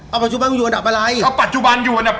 เอาปัจจุบันอยู่อันดับอะไรเอาปัจจุบันอยู่อันดับ